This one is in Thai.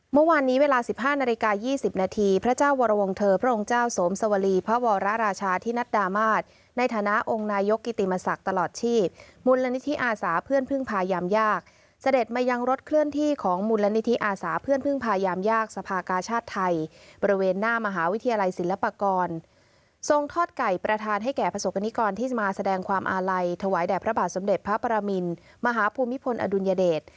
เมื่อวานนี้เวลาสิบห้านาฬิกายี่สิบนาทีพระเจ้าวรวงเถอร์พระองค์เจ้าสวมสวรีพระวรรราชาที่นัดดามาสทรงทอดไก่ประทานให้แก่ประสบการณีกรที่มาแสดงความอาลัยถวายแด่ประบาทสมเด็จพระปรมินทรมาฮภูมิพลอดุลยเดช